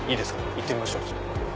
行ってみましょう。